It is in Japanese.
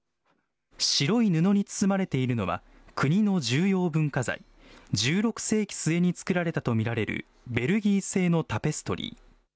白い布に包まれているのは国の重要文化財、１６世紀末に作られたと見られるベルギー製のタペストリー。